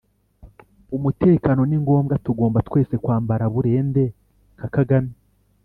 Umutekano ni ngomwa tugomba twese kwambara burende nka Kagame.